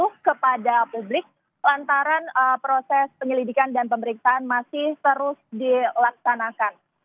itu kepada publik lantaran proses penyelidikan dan pemeriksaan masih terus dilaksanakan